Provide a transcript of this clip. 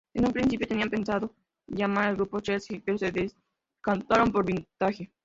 En un principio tenían pensado llamar al grupo "Chelsea", pero se decantaron por "Vintage".